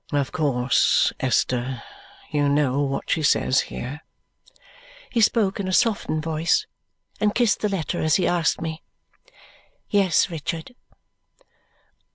"Of course, Esther, you know what she says here?" He spoke in a softened voice and kissed the letter as he asked me. "Yes, Richard."